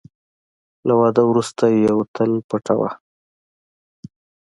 له واده وروسته یوه تل پټوه .